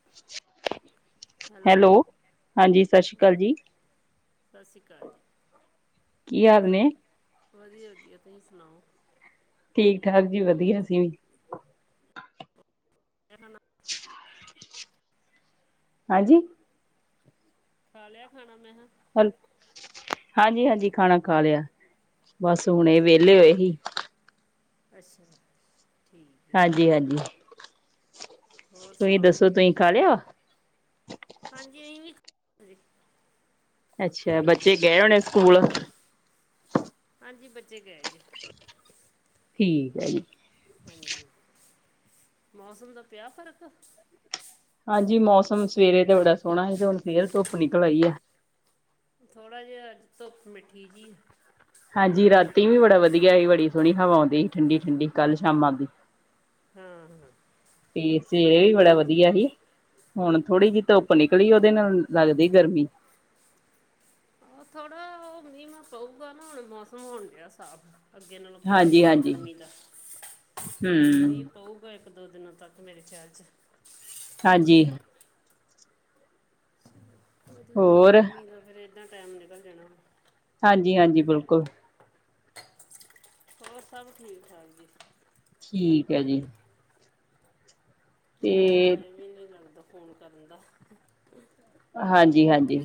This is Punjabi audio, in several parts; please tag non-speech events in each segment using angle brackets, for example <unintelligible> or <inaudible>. <unintelligible> ਹੈਲੋ, ਹਾਂਜੀ ਸਤਿ ਸ੍ਰੀ ਅਕਾਲ ਸਰ ਜੀ। ਸਤਿ ਸ਼੍ਰੀ ਅਕਾਲ ਜੀ ਕੀ ਹਾਲ ਹਾਂਜੀ ਨੇ? ਵਧੀਆ- ਵਧੀਆ ਤੁਸੀਂ ਸੁਣਾਓ? ਠੀਕ-ਠਾਕ ਜੀ ਵਧੀਆ ਅਸੀ ਵੀ। ਕਹਿੰਦਾ ਨਾ। ਹਾਂਜੀ। ਖਾ ਲਿਆ ਖਾਣਾ ਮੈਂ ਮੇਖਾਂ? ਹੱਲ, ਹਾਂਜੀ-ਹਾਂਜੀ ਖਾਣਾ ਖਾ ਲਿਆ, ਬਸ ਹੁਣੇ ਵਿਹਲੇ ਹੋਏ ਸੀ। ਅੱਛਾ। ਹਾਂਜੀ-ਹਾਂਜੀ, ਹੋਰ ਤੁਸੀਂ ਸੁਣਾਓ ਦੱਸੋ ਤੁਸੀਂ ਖਾ ਲਿਆ? ਹਾਂਜੀ, ਅਸੀਂ ਵੀ ਅੱਛਾ, ਬੱਚੇ ਗਏ ਹੋਣੇ ਸਕੂਲ? ਹਾਂਜੀ, ਬੱਚੇ ਗਏ ਨੇ। ਠੀਕ ਹੈ ਜੀ। ਹਾਂਜੀ, ਮੌਸਮ ਦਾ ਪਿਆ ਫ਼ਰਕ? ਹਾਂਜੀ, ਮੌਸਮ ਸਵੇਰੇ ਤੇ ਬੜਾ ਸੋਹਣਾ ਸੀ, ਤੇ ਹੁਣ ਫਿਰ ਧੁੱਪ ਨਿਕਲ ਆਈ ਹੈ। ਥੋੜਾ ਜਿਹਾ, ਧੁੱਪ ਮਿੱਠੀ ਜਿਹੀ। ਹਾਂਜੀ, ਰਾਤੀ ਵੀ ਬੜਾ ਵਧੀਆ ਸੀ ਬੜੀ ਸੋਹਣੀ ਹਵਾ ਆਉਂਦੀ ਸੀ ਠੰਡੀ- ਠੰਡੀ ਕੱਲ ਸ਼ਾਮਾਂ ਦੀ। ਹਾਂ। ਤੇ ਸੇਵੇਰੇ ਇਹ ਬੜਾ ਵਧੀਆ ਹੀ। ਹੁਣ, ਥੋੜੀ ਜਿਹੀ ਧੁੱਪ ਨਿਕਲੀ ਉਹਦੇ ਨਾਲ ਲੱਗਦੀ ਗਰਮੀ। ਉਹ ਥੋੜਾ ਉਹ ਮੀਂਹ ਪਊਗਾ ਨਾ, ਹੁਣ ਮੌਸਮ ਹੋਣ ਡਿਆ ਸਾਫ਼। ਅਸੀਂ ਇਹਨਾਂ ਨੂੰ ਪਿਆ ਹਾਂਜੀ ਫ਼ਰਕ ਹਾਂਜੀ ਗਰਮੀ ਦਾ ਹਮ ਮੀਂਹ ਪਊਗਾ ਇੱਕ ਦੋ ਦਿਨਾਂ ਤੱਕ ਮੇਰੇ ਖਿਆਲ 'ਚ ਹਾਂਜੀ ਵਧੀਆ ਹੋਰ ਗਰਮੀ ਦਾ ਫਿਰ ਇੱਦਾਂ ਟਾਈਮ ਨਿਕਲ ਜਾਣਾ ਹਾਂਜੀ ਹਾਂਜੀ ਬਿਲਕੁਲ ਹੋਰ ਸਭ ਠੀਕ ਠਾਕ ਜੀ ਠੀਕ ਹੈ ਜੀ ਤੇ ਮੇਰਾ ਤਾਂ ਟਾਈਮ ਹੀ ਨਹੀਂ ਲੱਗਦਾ ਫ਼ੋਨ ਕਰਨ ਦਾ ਹਾਂਜੀ ਹਾਂਜੀ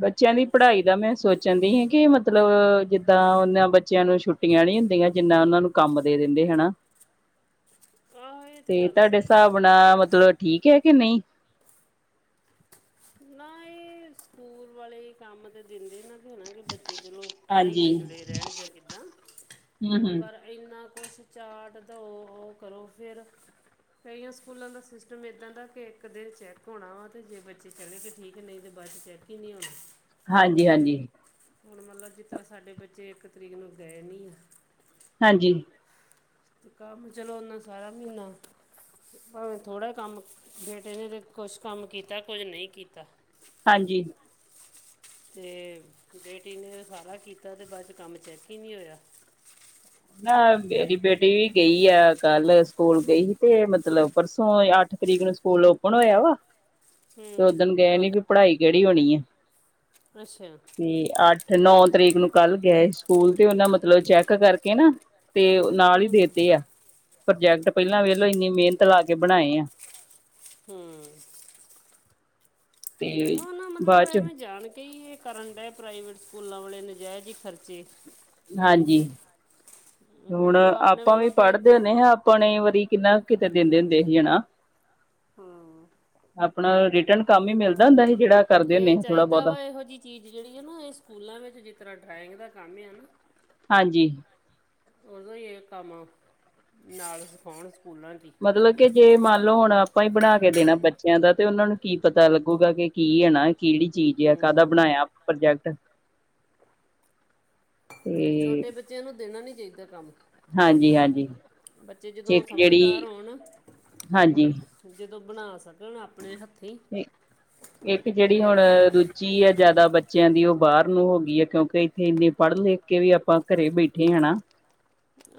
ਬੱਚਿਆਂ ਦੀ ਹੋਰ ਪੜ੍ਹਾਈ ਦਾ ਮੈਂ ਸੋਚ ਸੋਚਦੀ ਸੀ ਕਿ ਮਤਲਬ ਜਿੱਦਾਂ ਉਹਨਾਂ ਬੱਚਿਆਂ ਨੂੰ ਛੁੱਟੀਆਂ ਨਹੀਂ ਹੁੰਦੀਆਂ ਜਿੰਨਾ ਉਹਨਾਂ ਨੂੰ ਕੰਮ ਦੇ ਦਿੰਦੇ ਹਨਾ <inaudible> ਇਹ ਤੇ ਗੱਲ ਤੁਹਾਡੇ ਸਹੀ ਹਿਸਾਬ ਹੈ ਨਾਲ ਮਤਲਬ ਠੀਕ ਹੈ ਕੇ ਨਹੀਂ ਨਹੀਂ ਸਕੂਲ ਵਾਲੇ ਕੰਮ ਤੇ ਦਿੰਦੇ ਨਾ ਕਿ ਬੱਚੇ ਚਲੋ ਪੜ੍ਹਾਈ ਹਾਂਜੀ ਨਾਲ ਜੁੜੇ ਰਹਿਣ ਜਾਂ ਕਿੱਦਾਂ ਹਮ ਹਮ ਪਰ ਇੰਨਾ ਕੁਛ ਚਾਟ ਦੋ ਉਹ ਕਰੋ ਫਿਰ ਕਈਆਂ ਸਕੂਲਾਂ ਦਾ ਸਿਸਟਮ ਇੱਦਾਂ ਦਾ ਕਿ ਇੱਕ ਦਿਨ ਚੈੱਕ ਹੋਣਾ ਵਾ ਤੇ ਜੇ ਬੱਚੇ ਚੜੇ ਠੀਕ ਐ ਨਹੀਂ ਤੇ ਬਸ ਚੈੱਕ ਹੀ ਨਹੀਂ ਹੋਣਾ। ਹਾਂਜੀ ਹਾਂਜੀ ਹੁਣ ਮਤਲਬ ਜਿਸ ਤਰ੍ਹਾਂ ਸਾਡੇ ਬੱਚੇ ਇੱਕ ਤਰੀਕ ਨੂੰ ਗਏ ਨੀ ਹਾਂਜੀ ਤੇ ਕੰਮ ਚਲੋ ਓਨਾ ਸਾਰਾ ਮਹੀਨਾ ਭਾਵੇਂ ਥੋੜਾ ਕੰਮ ਬੇਟੇ ਨੇ ਤੇ ਕੁਛ ਕੰਮ ਕੀਤਾ ਕੁਝ ਨਹੀਂ ਕੀਤਾ ਹਾਂਜੀ ਤੇ ਬੇਟੀ ਨੇ ਸਾਰਾ ਕੀਤਾ ਤੇ ਬਾਅਦ ਚੋਂ ਕੰਮ ਚੈੱਕ ਹੀ ਨਹੀਂ ਹੋਇਆ ਨਾ ਮੇਰੀ ਕਿ ਬੇਟੀ ਵੀ ਗਈ ਆ ਕੱਲ ਸਕੂਲ ਗਈ ਸੀ ਤੇ ਮਤਲਬ ਪਰਸੋਂ ਅੱਠ ਤਰੀਗਣ ਸਕੂਲ ਓਪਨ ਹੋਇਆ ਵਾ <inaudible> ਉਸ ਦਿਨ ਗਏ ਨੀ ਵੀ ਪੜ੍ਹਾਈ ਕਿਹੜੀ ਹੋਣੀ ਹੈ। ਅੱਛਾ। ਤੇ ਅੱਠ ਨੌ ਤਰੀਕ ਨੂੰ ਕੱਲ ਗਏ ਸਕੂਲ ਤੇ ਉਹਨਾ ਮਤਲਬ ਚੈੱਕ ਕਰਕੇ ਨਾ ਤੇ ਨਾਲ ਹੂੰ ਹੀ ਦੇ ਹੂੰ ਤੇ ਆ ਪ੍ਰੋਜੈਕਟ ਪਹਿਲਾਂ ਅੱਛ ਵੇਲੋ ਇੰਨੀ ਮਿਹਨਤ ਲਾ ਕੇ ਬਣਾਏ ਆ ਹੂੰ,,, ਤੇ ਇਹੋ ਨਾ ਮਤਲਬ ਬਾਅਦ ਚ ਐਵੇਂ ਜਾਣ ਕੇ ਹੀ- ਕਰਨ ਡ ਪ੍ਰਾਈਵੇਟ ਸਕੂਲਾਂ ਵਾਲੇ ਨਜਾਇਜ਼ ਹੀ ਖਰਚੇ। ਹਾਂਜੀ, ਹੁਣ ਮਤਲਬ ਆਪਣੇ ਆਪਾਂ ਵੀ ਵੱਲੋਂ ਤੇ ਪੜ੍ਹਦੇ ਨੇ ਹਾਂ- ਆਪਣੇ ਵਾਰੀ ਕਿੰਨਾ ਕਿਤੇ ਦਿੰਦੇ ਹੁੰਦੇ ਸੀ ਹਨਣਾ। ਹਾਂ। ਆਪਣਾ ਰਿਟਰਨ ਕੰਮ ਹੀ ਮਿਲ- ਇਹ ਚਾਹੀਦਾ ਵਾ ਇਹੋ ਜਿਹੀ- ਚੀਜ਼ ਜਿਹੜੀ ਆ ਨਾ ਇਹ ਸਕੂਲਾਂ ਵਿੱਚ ਜਿਸ ਤਰ੍ਹਾਂ ਡਰਾਇੰਗ ਦਾ ਕੰਮ ਆ ਨਾ- ਹਾਂਜੀ। ਉਦੋਂ ਹੀ ਇਹ ਕੰਮ, ਨਾਲ ਸਿਖਾਉਣ ਸਕੂਲਾਂ 'ਚ ਹੀ- ਮਤਲਬ ਕਿ ਜੇ ਮੰਨ ਲਓ ਹੁਣ ਆਪਾਂ ਹੀ ਬਣਾ ਕੇ ਦੇਣਾ ਬੱਚਿਆਂ ਦਾ ਤੇ ਉਹਨਾਂ ਨੂੰ ਕੀ ਪਤਾ ਲੱਗੂਗਾ ਕਿ ਕੀ ਹੈ ਨਾ ਕਿਹੜੀ- ਚੀਜ਼ ਆ ਹੂੰ ਕਾਹਦਾ ਹੂੰ ਬਣਾਇਆ ਪ੍ਰੋਜੈਕਟ। ਤੇ ਛੋਟੇ ਬੱਚਿਆਂ ਨੂੰ ਦੇਣਾ ਨਹੀਂ ਚਾਹੀਦਾ ਕੰਮ- ਹਾਂਜੀ ਹਾਂਜੀ ਬੱਚੇ ਜਦੋਂ ਇੱਕ ਸਮਝਦਾਰ ਜਿਹੜੀ ਹੋਣ- ਹਾਂਜੀ ਜਦੋਂ ਬਣਾ ਸਕਣ ਆਪਣੇ ਹੱ- ਇਕ ਤੇ ਜਿਹੜੀ ਹੁਣ ਦੂ- ਚੀ ਹੈ ਜ਼ਿਆਦਾ ਬੱਚਿਆਂ ਦੀ ਉਹ ਬਾਹਰ ਨੂੰ ਹੋ ਗਈ ਹੈ ਕਿਉਂਕਿ ਇੱਥੇ ਇੰਨੇ ਪੜ੍ਹ ਲਿਖ ਕੇ ਵੀ ਆਪਾਂ ਘਰੇ ਬੈਠੇ ਹ ਨਾ।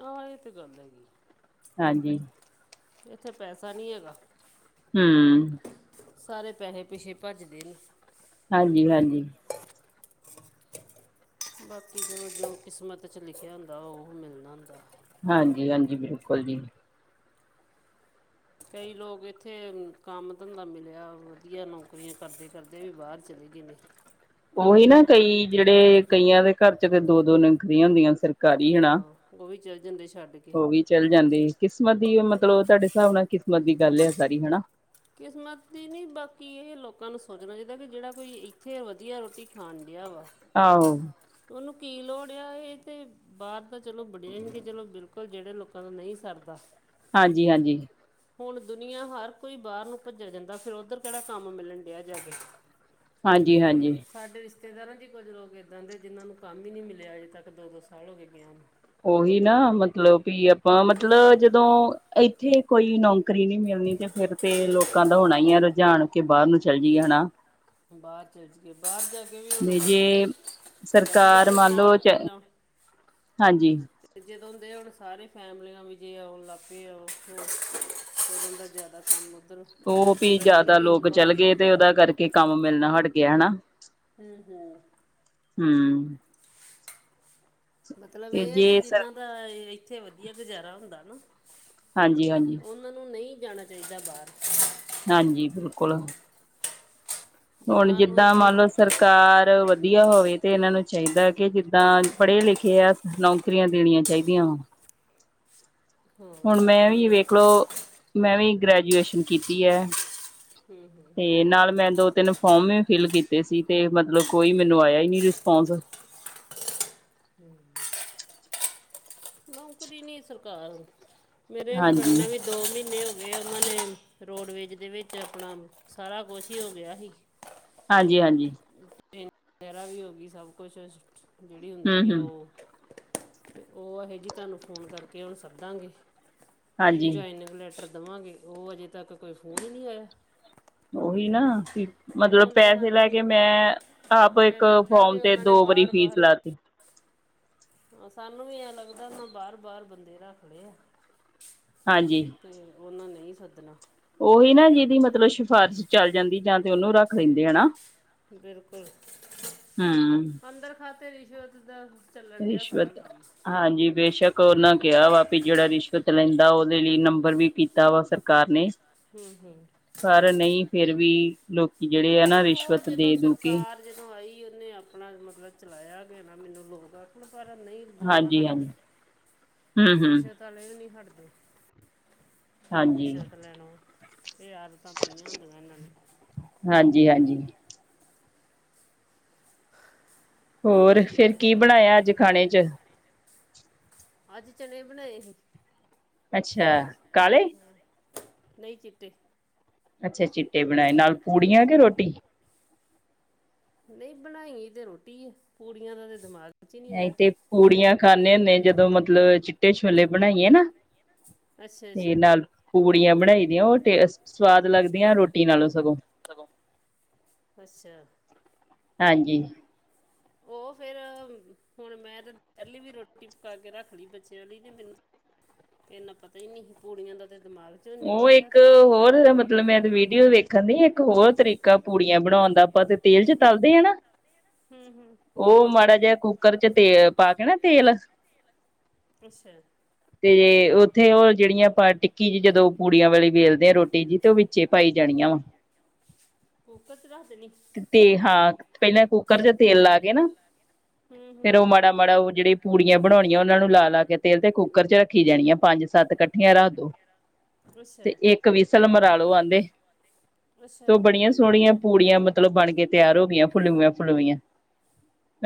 ਹਹ ਇਹ ਤਾਂ ਗਦਾ ਗ ਹਾਂਜੀ। ਇੱਥੇ ਪੈਸਾ ਨਹੀਂ ਹੈਗਾ। ਹਮ। ਸਾਰੇ ਪੈਸੇ ਪਿੱਛੇ ਭੱਜਦੇ ਨੇ। ਹਾਂਜੀ-ਹਾਂਜੀ। ਬਾਕੀ ਜੋ-ਜੋ ਕਿਸਮਤ 'ਚ ਲਿਖਿਆ ਹੁੰਦਾ ਉਹ ਮਿਲਣਾ ਹੁੰਦਾ। ਹਾਂਜੀ-ਹਾਂਜੀ ਬਿਲਕੁਲ ਜੀ। ਕਈ ਲੋਕ ਇੱਥੇ ਕੰਮ ਧੰਦਾ ਮਿਲਿਆ ਵਧੀਆ ਨੌਕਰੀਆਂ ਕਰਦੇ-ਕਰਦੇ ਵੀ ਬਾਹਰ ਚਲੇ ਗਏ ਨੇ। ਉਹੀ ਨਾ ਕਈ ਜਿਹੜੇ ਕਈਆਂ ਦੇ ਘਰ ਚ ਦੋ-ਦੋ ਨਿੰਕਦੀਆਂ ਹੁੰਦੀਆਂ ਸਰ- ਆਹ ਉਹ ਵੀ ਚ ਜਾਂਦੇ ਛੱਡ- ਕੇ ਹੋ ਵੀ ਚੱਲ ਜਾਂਦੇ ਕਿਸਮਤ ਦੀ ਮਤਲਬ ਤੁਹਾਡੇ ਹਿਸਾਬ ਨਾਲ ਕਿਸਮਤ ਦੀ ਗੱਲ ਹੈ ਸਾਰੀ ਹਨਾ। ਕਿਸਮਤ ਦੀ ਨਹੀਂ ਬਾਕੀ ਇਹ ਲੋਕਾਂ ਨੂੰ ਸੋਚਣਾ ਚਾਹੀਦਾ ਕਿ ਜਿਹੜਾ ਕੋਈ ਇੱਥੇ ਵਧੀਆ ਰੋਟੀ ਖਾਣ ਡਿਆ ਵਾ- ਆਹੋ। ਉਹਨੂੰ ਕੀ ਲੋੜ ਆ ਇਹ ਤੇ ਬਾਹਰ ਤਾਂ ਚਲੋ ਬਣਿਆ ਹੀਗੇ ਚਲੋ ਬਿਲਕੁਲ ਜਿਹੜੇ ਲੋਕਾਂ ਦਾ ਨਹੀਂ ਸਰਦਾ। ਹਾਂਜੀ-ਹਾਂਜੀ। ਹੁਣ ਦੁਨੀਆਂਆ ਹਰ ਕੋਈ ਬਾਹਰ ਨੂੰ ਭੱਜਿਆ ਜਾਂਦਾ ਫਿਰ ਉੱਧਰ ਕਿਹੜਾ ਕੰਮ ਮਿਲਣ ਡਿਆ ਜਾਕੇ। ਹਾਂਜੀ-ਹਾਂਜੀ। ਸਾਡੇ ਰਿਸ਼ਤੇਦਾਰਾਂ ਚ ਹੀ ਕੁੱਝ ਲੋਕ ਇੱਦਾਂ ਦੇ ਜਿਹਨਾਂ ਨੂੰ ਕੰਮ ਹੀ ਨਹੀਂ ਮਿਲਿਆ ਅਜੇ ਤੱਕ ਦੋ-ਦੋ ਸਾਲ ਹੋ ਗਏ ਗਏ ਉਹਨੂੰ। ਉਹੀ ਨਾ ਮਤਲਬ ਵੀ ਆਪਾਂ ਮਤਲਬ ਜਦੋਂ ਇੱਥੇ ਕੋਈ ਨੌਕਰੀ ਨੀ ਮਿਲਣੀ ਤੇ ਫਿਰ- ਤੇ ਲੋਕਾਂ ਦਾ ਹੋਣਾ ਹੈ ਰੁਝਾਨ ਕੇ ਬਾਹਰ ਨੂੰ ਚੱਲ ਜਾਈਏ ਹਨਾ। ਬਾਹਰ ਚੱਲ ਜਾਈਏ ਜਾਗੇ ਬਾਹਰ, ਜਾਗੇ ਵੀ ਹੁਣ ਤੇ ਜੇ ਵਧੀਆ ਸਰਕਾਰ ਸੀ ਮੰਨ ਲਓ ਮਾਹੌਲ ਚ ਪਹਿਲਾਂ- ਹਾਂਜੀ। ਜਦੋਂ ਹੁੰਦੇ ਹੁਣ ਸਾਰੇ ਫੈਮਲੀਆਂ ਵੀ ਜੇ ਆਓ ਲੱਪੇ ਆਓ- ਫੇਰ ਬੰਦਾ ਜਿਆਦਾ ਕੰਮ ਉੱਧਰ- ਉਹ ਵੀ ਜ਼ਿਆਦਾ ਲੋਕ ਚੱਲ ਗਏ ਤੇ ਉਹਦਾ ਕਰਕੇ ਕੰਮ ਮਿਲਣਾ ਹਟ ਗਿਆ ਹਨਾ। ਹਮ-ਹਮ। ਹੂੰ। ਮਤਲਬ ਤੇ ਏ ਹੈ ਕਿ ਜੇ ਸਰ ਜਿੰਨਾਂ ਦਾ ਇੱਥੇ ਵਦੀਆ ਗੁਜ਼ਾਰਾ ਹੁੰਦਾ ਨਾ ਹਾਂਜੀ-ਹਾਂਜੀ। ਉਨਾਂ ਨੂੰ ਨਈ ਜਾਣਾ ਚਾਈਦਾ ਬਾਰ। ਹਾਂਜੀ, ਬਿਲਕੁਲ। ਹੋਣ ਜਿਨ੍ਹਾਂ ਨੂੰ ਜਿੱਦਾਂ ਇੱਥੇ ਮਾੰਨ ਲੋ ਸਰ ਕਾਰ ਵਦੀਆ ਹੋਵੇ ਤੇ ਇਹਨਾਂ ਨੂੰ ਚਾਹੀਦਾ ਕਿ ਜਿੱਦਾਂ, ਪੜੇ ਲਿਖੇ ਆ ਸਾਨੂ ਕਰੀਆਂ ਦੇਣੀਆਂ ਚਾਈਦੀਆਂ ਵਾ। ਹਾਂ ਹੁਣ ਮੈਂ ਵੀ ਨੌਕਰੀਆਂ ਵੇਖਲੋ ਮੈਂ ਵੀ ਗ੍ਰੈਜੂਏਸ਼ਨ ਕੀਤੀ ਐ, ਤੇ ਨਾਲ ਮੈਂ ਦੋ-ਤਿੰਨ ਫੋਰਮ ਵੀ ਫਿਲ ਕੀਤੇ ਸੀ ਤੇ ਮਤਲਬ ਕੋਈ ਮੈਨੂੰ ਆਏਆ ਈ ਨੀ ਰਿਸਪੋਂਸ। <inaudible> ਨੌਕਰੀ ਨੀ ਸਰਕਾਰ, ਮੇਰੇ ਹਸਬੈਂਡ ਹਾਂਜੀ ਨੇ ਵੀ ਦੋ ਮ੍ਹੀਨੇ ਹੋ ਗਏ ਓਨਾਂ ਨੇ ਰੋਡਵੇਜ ਦੇ ਵਿੱਚ ਅਪਣਾ ਸਾਰਾ ਕੁੱਛ ਈ ਹੋ ਗੇਆ ਸੀ <unintelligible> ਹਾਂਜੀ ਹਾਂਜੀ ਵਗੈਰਾ ਵੀ ਹੋਗੀ ਸਬ ਕੁੱਛ ਜੇੜੀ ਹੁੰਦੀ ਹਮ ਆ ਹਮ ਓ, ਓ ਏਹ ਜੀ ਤਾਨੂੰ ਫੋਨ ਕਾਰਕੇ ਹੁਨ ਸੱਦਾਂਗੇ, ਹਾਂਜੀ ਜੁਆਇਨਿੰਗ ਲੈਟਰ ਦੇਵਾਂਗੇ, ਓ ਅਜੇ ਤੱਕ ਕੋਈ ਫੋਨ ਈ ਨੀ ਆਏਆ। ਓਹੀ ਨਾ ਸੀ ਮਤਲਬ ਹੁਣ ਤੇ ਪੈਸੇ ਲੈ ਸਾਨੂੰ ਕੇ ਮੈਂ ਹਾਂ ਆਪ ਐਂ ਇੱਕ ਲੱਗਦਾ ਫੋਰਮ ਕਿ ਤੇ ਉਹਨਾਂ ਦੋ ਨੇ ਵਾਰੀ ਫੀਸ ਬਾਰ-ਬਾਰ ਲਾਤੀ। ਸਾਨੂੰ ਵੀ ਐ ਲੱਗਦੈ ਬਾਰ-ਬਾਰ ਬੰਦੇ ਰਾੱਖ ਲਏ ਆ। ਹਾਂਜੀ। ਤੇ ਓਨਾਂ ਨਈਂ ਸੱਦਨਾ। ਓਹੀ ਨਾ ਜਿਦੀ ਮਤਲਬ ਸਿਫਾਰਿਸ਼ ਚੱਲ ਜਾਂਦੀ, ਜਾਂ ਤੇ ਓਨੂੰ ਰਾੱਖ ਲੈਂਦੇ, ਹਨਾ। ਬਿਲਕੁਲ। ਹੂੰ। ਅੰਦਰ ਖਾਤੇ ਰਿਸ਼ਵਤ ਦਾ ਚੱਲਣ ਡਿਆ ਸਾਰਾ ਰਿਸ਼ਵਤ ਕੰਮ ਹਾਂਜੀ, ਬੇਸ਼ਕ ਓਨਾਂ ਕੇਆ ਵਾ, ਵੀ ਜੇੜਾ ਰਿਸ਼ਵਤ ਲੈਂਦਾ ਓਦੇ ਲਈ ਨੰਬਰ ਵੀ ਕੀਤਾ ਵਾ ਸਰਕਾਰ ਨੇ। ਹੂੰ, ਹੂੰ। ਪਰ ਨਈ ਫੇਰ ਵੀ ਲੋਕੀ ਜੇੜੇ ਆ ਨਾ ਉਹ ਰਿਸ਼ਵਤ ਜਦੋਂ ਦੇ-ਦੂ ਕੇ ਸਰਕਾਰ ਜਦੋਂ ਆਈ ਉਨੇ ਆਪਣਾ ਮਤਲਬ ਚਲਾਏਆ ਗੇ ਨਾ ਮੈਨੂੰ ਲੋਕ ਆਖਣ, ਪਰ ਨਈਂ ਦੁਨੀਆਂ ਹਾਂਜੀ ਹਾਂਜੀ ਹਟਦੀ, ਹੂੰ ਹੂੰ ਰਿਸ਼ਵਤ ਤਾਲੇ ਵੀ ਨੀ ਹੱਟਦੇ, ਹਾਂਜੀ ਰਿਸ਼ਵਤ ਲੈਣੋ। ਏ ਆਦਤਾਂ ਪਈਆਂ ਹੁੰਦੀਆਂ ਏਨਾਂ ਨੂੰ। ਹਾਂਜੀ-ਹਾਂਜੀ। ਹੋਰ, ਫੇਰ ਕੀ ਬਣਾਏਆ ਆੱਜ ਖਾਣੇ ਚ? ਆੱਜ ਚਨੇ ਬਣਾਏ ਹੀ। ਅੱਛਾ, ਕਾਲੇ? ਨਈ, ਚਿੱਟੇ। ਅੱਛਾ ਚਿੱਟੇ ਬਣਾਏ, ਨਾਲ ਪੂੜੀਆਂ ਕੇ ਰੋਟੀ? ਨਈ ਬਣਾਈ ਤੇ ਰੋਟੀ ਪੂੜੀਆਂ ਦਾ ਤੇ ਦਿਮਾਗ 'ਚ ਹੀ ਨਹੀਂ ਅਹੀ ਆਇਆ ਤੇ ਪੂੜੀਆਂ ਖਾਂਨੇ ਹੁੰਨੇ ਆਂ, ਜਦੋਂ ਮਤਲਬ ਚਿੱਟੇ ਛੋਲੇ ਬਣਾਈਏ ਨਾ। ਅੱਛਾ ਤੇ ਅੱਛਾ ਨਾਲ ਪੂੜੀਆਂ ਬਣਾਈ ਦੀਆਂ, ਓ ਟੇਸਟ, ਸਵਾਦ ਲੱਗਦੀਆਂ ਰੋਟੀ ਨਾਲੋਂ ਸਗੋਂ। ਸਗੋਂ, ਅੱਛਾ। ਹਾਂਜੀ ਓ ਫਿਰ ਹੁਣ ਮੈਂ ਤੇ ਪੈਲੀ ਵੀ ਰੋਟੀ ਪਕਾ ਕੇ ਰੱਖ ਲਈ ਬੱਚਿਆਂ ਲਈ ਤੇ ਮੈਨੂੰ ਇੰਨਾ ਪਤਾ ਈ ਨਈ ਹੀ ਪੂੜੀਆਂ ਦਾ ਤੇ ਦਿਮਾਗ 'ਚੋਂ ਨਿਕਲ ਓ ਗਿਆ ਇੱਕ ਤੇ ਹੋਰ ਮਤ ਮਤਲਬ ਮੈਂ ਵੀਡੀਓ ਵੇਖਣ ਦੀ ਇੱਕ ਹੋਰ ਤਰੀਕਾ ਪੂੜੀਆਂ ਬਣਾਉਣ ਦਾ ਆਪਾਂ ਤੇ ਤੇਲ 'ਚ ਤਲਦੇ ਆ ਨਾ। ਹੂੰ-ਹੂੰ ਓ ਮਾੜਾ ਜਿਹਾ ਕੁੱਕਰ 'ਚ ਤੇਲ ਪਾ ਕੇ ਨਾ ਤੇਲ ਅੱਛਾ ਤੇ ਉੱਥੇ ਓ ਜੇੜੀਆਂ ਟਿੱਕੀ ਜੀ ਜਦੋਂ ਪੂੜੀਆਂ ਵਾਲੀ ਵੇਲਦੇ ਆ ਰੋਟੀ ਜੀ ਤੇ ਵਿੱਚੇ ਪਾਈ ਜਾਣੀਆਂ ਵਾ। ਕੁਕਰ 'ਚ ਰੱਖ ਦੇਨੀ। ਤੇ ਹਾਂ ਪੈਲਾਂ ਕੁੱਕਰ 'ਚ ਤੇਲ ਲਾ ਕੇ ਨਾ ਹੂੰ ਫਿਰ ਹੂੰ ਓ ਮਾ ਮਾੜਾ-ਮਾੜਾ ਓ ਜੇੜੀ ਪੂੜੀਆਂ ਬਣਾਉਣੀਆਂ ਉਹਨਾਂ ਨੂੰ ਲਾ-ਲਾ ਕੇ ਤੇਲ ਤੇ ਕੁੱਕਰ 'ਚ ਰੱਖੀ ਜਾਣੀ ਆ ਪੰਜ ਸੱਤ ਕੱਠ ਠੀਆਂ ਰੱਖ ਦੋ ਅੱਛਾ ਤੇ ਇੱਕ ਵੀਸਲ ਮਰਾ ਲੋ ਆਂਦੇ। ਤੇ ਅੱਛਾ ਬੜੀਆਂ ਸੋਹਣੀਆਂ ਪੂੜੀਆਂ ਮਤਲਬ ਬਣ ਕੇ ਤਿਆਰ ਹੋ ਗਈਆਂ ਫੁੱਲਵੀਆਂ- ਫੁੱਲਵੀਆਂ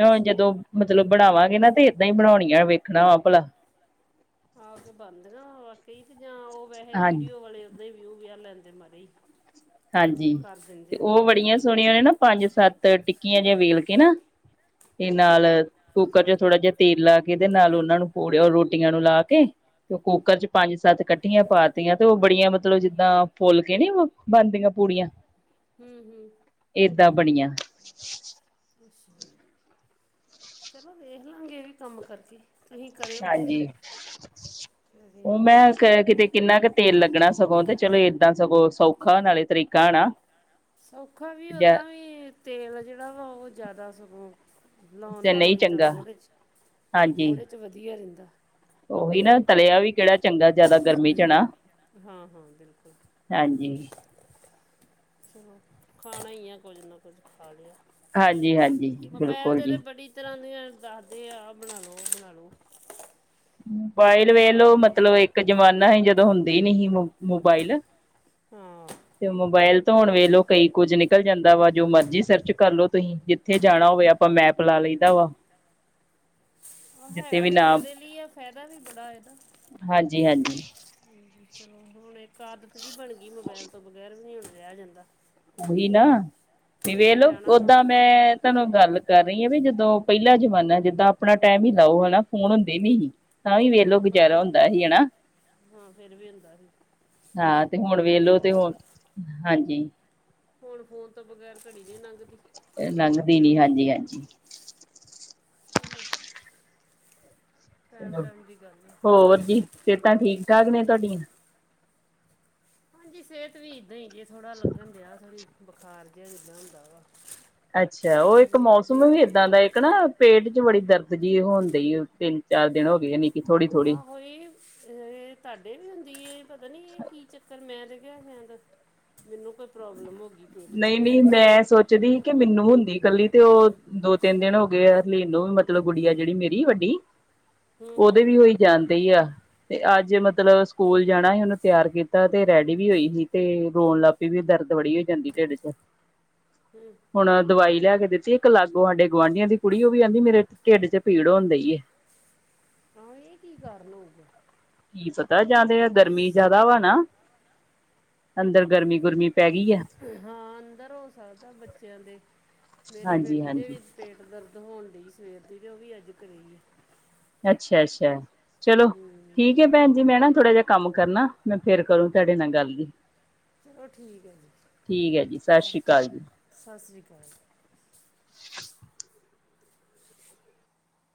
ਹੁਣ ਅੱਛਾ ਜਦੋਂ ਮਤਲਬ ਬਣਾਵਾਂਗੇ ਨਾ ਤੇ ਏਦਾਂ ਈ ਬਣਾਉਣੀਆਂ ਵੇਖਣਾ ਵਾ ਭਲਾ ਆ ਕੇ ਬਣਦੀਆਂ ਵਾਕਈ ਤੇ ਜਾਂ ਓ ਵੈਸੇ ਹਾਂਜੀ ਵੀਡੀਓ ਵਾਲੇ ਓਦਾਂ ਹੀ ਵਿਊ ਵਿਆ ਲੈਂਦੇ ਮਾਰੇ ਈ ਹਾਂਜੀ ਤੇ ਓ ਬੜੀਆਂ ਸੋਹਣੀਆਂ ਨੇ ਨਾ। ਪੰਜ ਸੱਤ ਟਿੱਕੀਆਂ ਜਿਹੀਆਂ ਵੇਲ ਕੇ ਨਾ ਤੇ ਹੂੰ ਨਾਲ ਹੂੰ ਕੁੱਕਰ 'ਚ ਥੋੜ੍ਹਾ ਜਿਹਾ ਤੇਲ ਲਾ ਕੇ ਤੇ ਨਾਲ ਉਨਾਂ ਨੂੰ ਪੂੜ ਰੋਟੀਆਂ ਨੂੰ ਲਾ ਕੇ ਤੇ ਓ ਕੁੱਕਰ 'ਚ ਪੰਜ ਸੱਤ ਕੱਠੀਆਂ ਪਾਤੀਆਂ ਤੇ ਓ ਬੜੀਆਂ ਮਤਲਬ ਜਿੱਦਾਂ ਫੁੱਲ ਕੇ ਨੀ ਓ ਬਣਦੀਆਂ ਪੂੜੀਆਂ ਹੂੰ-ਹੂੰ ਏਦਾਂ ਬਣੀਆਂ ਅੱਛਾ ਚਲੋ ਵੇਖ ਲਾਂਗੇ ਏ ਵੀ ਕੰਮ ਕਰਕੇ ਤੁਸੀਂ ਕਰਿਓ ਹਾਂਜੀ ਪਹਿਲਾਂ ਫਿਰ ਓ ਵੇਖ ਮੈਂ ਲਾਂਗੇ ਕੈ ਕਿਤੇ ਕਿੰਨਾ ਕੁ ਤੇਲ ਲੱਗਣਾ ਸਗੋਂ ਤੇ ਚਲੋ ਏਦਾਂ ਸਗੋਂ ਸੌਖਾ ਨਾਲੇ ਤਰੀਕਾ ਹਨਾ। ਸੌਖਾ ਵੀ ਜਾਂ ਓਦਾਂ ਵੀ ਤੇਲ ਜੇੜਾ ਵਾ ਓ ਜਾਦਾ ਸਗੋਂ ਲਾਉਣ ਤੇ ਨਾਲੋਂ ਨਹੀਂ ਇੱਦਾਂ ਚੰਗਾ ਥੋੜ੍ਹੇ 'ਚ ਹਾਂਜੀ ਥੋੜ੍ਹੇ 'ਚ ਵਧੀਆ ਰੈਂਦਾ। ਉਹੀ ਨਾ ਤਲਿਆ ਵੀ ਕੇੜਾ ਚੰਗਾ ਜਾਦਾ ਗਰਮੀ 'ਚ ਹਨਾ। ਹਾਂ ਹਾਂ ਬਿਲਕੁਲ ਹਾਂਜੀ ਚਲੋ ਖਾਣਾ ਈ ਆ ਕੁਝ ਨਾ ਕੁਝ ਖਾ ਲਿਆ। ਹਾਂਜੀ-ਹਾਂਜੀ ਮੋਬਾਇਲ ਬਿਲਕੁਲ 'ਤੇ ਤਾਂ ਜੀ। ਬੜੀ ਤਰ੍ਹਾਂ ਦੀਆਂ ਦੱਸਦੇ ਆ ਬਣਾ ਲੋ ਓ ਬਣਾ ਲੋ। ਮੋਬਾਇਲ ਵੇਲੋ ਮਤਲਬ ਇੱਕ ਜਮਾਨਾ ਹੀ ਜਦੋਂ ਹੁੰਦੇ ਨਈ ਹੀ ਮੋਬਾਇਲ ਹਾਂ ਤੇ ਮੋਬਾਈਲ ਤਾਂ ਹੁਣ ਵੇਖਲੋ ਕਈ ਕੁੱਝ ਨਿਕਲ ਜਾਂਦਾ ਵਾ ਜੋ ਮਰਜ਼ੀ ਸਰਚ ਕਰ ਲਓ ਤੁਸੀਂ ਜਿੱਥੇ ਜਾਣਾ ਹੋਵੇ ਆਪਾਂ ਮੈਪ ਲਾ ਲਈ ਦਾ ਵਾ। ਹਾਂ ਆ ਹੈਗਾ ਤੇ ਫਾਇਦੇ ਲਈ ਆ ਫਾਇਦਾ ਵੀ ਬੜਾ ਇਦਾ ਹਾਂਜੀ-ਹਾਂਜੀ ਹ ਚਲੋ ਹੁਣ ਇੱਕ ਆਦਤ ਜੀ ਬਣ ਗਈ ਮੋਬਾਇਲ ਤੋਂ ਬਗੈਰ ਵੀ ਨਈ ਹੁਣ ਰਿਆ ਜਾਂਦਾ। ਉਹੀ ਨਾ ਤੇ ਕਿਤੇ ਵੇਖਲੋ ਜਾਣਾ ਵਾ ਓਦਾਂ ਤੇ ਮੈਂ ਤੁਹਾਨੂੰ ਗੱਲ ਕਰ ਰਈ ਜਦੋਂ ਪੈਲਾ ਜਮਾਨਾ ਜਿੱਦਾਂ ਆਪਣਾ ਟੈਮ ਹੀ ਲਾਓ ਹਨਾ ਫੋਨ ਹੁੰਦੇ ਨੀ ਹੀ। ਤਾਂ ਵੀ ਵੇਖਲੋ ਹਾਂ ਗੁਜ਼ਾਰਾ ਪੁਰਾਣੇ ਹੁੰਦਾ ਹੀ ਹਨਾ। ਹਾਂ ਫਿਰ ਵੀ ਹੁੰਦਾ ਸੀ ਹਾਂ ਤੇ ਹੁਣ ਸਹੀ ਵੇਲੋ ਗੱਲ ਹੈ ਤੇ ਹੁਣ ਹਾਂਜੀ। ਹੁਣ ਫੋਨ ਤੋਂ ਬਗੈਰ ਘੜੀ ਜੀ ਨੀ ਲੰਘਦੀ। ਲੰਘਦੀ ਨੀ ਹਾਂਜੀ-ਹਾਂਜੀ। ਚੱਲੋ ਚਲ ਟਾਈਮ ਦੀ ਗੱਲ ਹੈ ਹੋਰ ਜੀ ਸੇਤਾ ਠੀਕ-ਠਾਕ ਨੇ ਤੁਹਾਡੀਆਂ। ਹਾਂਜੀ ਸੇਹਤ ਵੀ ਇੱਦਾਂ ਹੀ ਜੇ ਥੋੜ੍ਹਾ ਲੱਗਨ ਡਿਆ ਥੋੜ੍ਹੀ ਬੁਖਾਰ ਜਿਹਾ ਇੱਦਾਂ ਹੁੰਦਾ ਵਾ। ਅੱਛਾ ਉਹ ਇੱਕ ਮੌਸਮ ਵੇਖਦੇ ਵੀ ਇਦਾ ਦਾ ਇੱਕ ਨਾ ਪੇਟ ਚ ਬੜੀ ਦਰਦ ਜੀ ਹੋਣ ਦੇਈ ਏ ਤਿੰਨ-ਚਾਰ ਦਿਨ ਹੋ ਗਏ ਨੀ। ਆਹੋ ਏਹ ਤੁਹਾਡੇ ਵੀ ਹੁੰਦੀ ਏ। ਪਤਾ ਨੀ ਏ ਕੀ ਚੱਕਰ ਮੈਂ ਤੇ ਕਿਆ ਸ਼ੇਂਦ ਮੈਨੂੰ ਕੋਈ ਪ੍ਰੋਬਲਮ ਹੋ ਗਈ ਪੇਟ ਚ। ਨਹੀਂ ਨਹੀਂ ਮੈਂ ਸੋਚਦੀ ਹੀ ਕਿ ਮੈਨੂੰ ਹੁੰਦੀ ਕੱਲੀ ਤੇ ਉਹ ਦੋ ਤਿੰਨ ਦਿਨ ਹੋ ਗੇ ਐ ਲੀਨ ਨੂੰ ਮ ਚਲੋ ਗੁਡਿਆ ਐ ਜੇੜੀ ਮੇਰੀ ਵੱਡੀ ਹ ਓਦੇ ਵੀ ਹੋਈ ਜਾਂਨ ਦੇਈ ਆ। ਤੇ ਅੱਜ ਮਤਲਬ ਸਕੂਲ ਜਾਣਾ ਹੀ ਉਹਨੂੰ ਤਿਆਰ ਕੀਤਾ ਤੇ ਰੈਡੀ ਵੀ ਹੋਈ ਹੀ ਤੇ ਰੋਣ ਲੱਪ ਪੀ ਵੀ ਦਰਦ <unintelligible> ੜੀ ਹੋਈ ਜਾਂਦੀ ਢਿੱਡ ਚ। ਹੂੰ ਹੁਣ ਦਵਾਈ ਲੈ ਕੇ ਦਿੱਤੀ ਇੱਕ ਲਾਗੋ ਸਾਡੇ ਗੁਆਂਢੀਆਂ ਦੀ ਕੁੜੀ ਉਹ ਵੀ ਆਹਂਦੀ ਮੇਰੇ ਢਿੱਡ ਚ ਪੀੜ ਹੋਣ ਡਈ ਏ। ਆਹੋ ਇਹ ਕੀ ਕਾਰਨ ਹੋਊਗਾ। ਕੀ ਪਤਾ ਜਾ ਤੇ ਆ ਗਰਮੀ ਜਾਦਾ ਵਾ ਨਾ। ਅੰਦਰ ਗਰਮੀ-ਗੁਰਮੀ ਪੈ ਗੀ ਐ। ਹਾਂ ਅੰਦਰ ਹੋ ਸਕਦਾ ਬੱਚਿਆਂ ਦੇ ਮੇਰੀ ਹਾਂਜੀ ਬੇਟੀ ਦੇ ਹਾਂਜੀ ਵੀ ਪੇਟ ਦਰਦ ਹੋਣ ਡੀ ਸਵੇਰ ਦੀ ਵੀ ਓ ਵੀ ਅੱਜ ਕਰੇ ਹੀ ਐ। ਅੱਛਾ-ਅੱਛਾ ਚਲੋ ਹੂੰ ਠੀਕ ਏ। ਭੈਣ ਜੀ ਮੈਂ ਨਾ ਥੋੜਾ ਜਾ ਕੰਮ ਕਰਨਾ ਮੈਂ ਫੇਰ ਕਰੂੰ ਤੁਹਾਡੇ ਨਾਲ ਗੱਲ। ਚਲੋ ਠੀਕ ਹੈ ਠੀਕ ਹੈ ਜੀ, ਸਸ ਸ੍ਰੀ ਕਾਲ ਜੀ। ਸਸ ਸ੍ਰੀ ਕਾਲ।